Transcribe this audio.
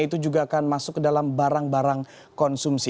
itu juga akan masuk ke dalam barang barang konsumsi